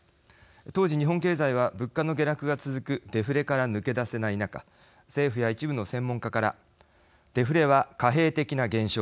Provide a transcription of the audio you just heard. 当時、日本経済は物価の下落が続くデフレから抜け出せない中政府や一部の専門家からデフレは貨幣的な現象。